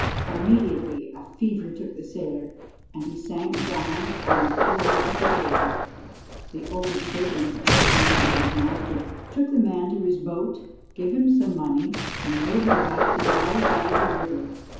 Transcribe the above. Immediately a fever took the sailor, and he sank down on the floor at the door. The old servant, at the command of his master, took the man to his boat, gave him some money, and rowed him back to the other side of the river.